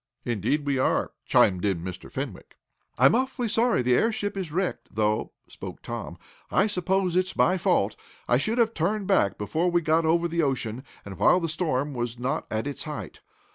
"Indeed we are," chimed in Mr. Fenwick. "I'm awfully sorry the airship is wrecked, though," spoke Tom. "I suppose it's my fault. I should have turned back before we got over the ocean, and while the storm was not at its height.